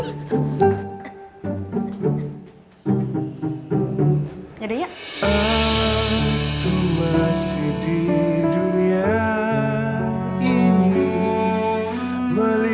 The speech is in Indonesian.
yang matan ter layout